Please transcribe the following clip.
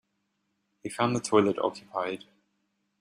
He found the toilet occupied.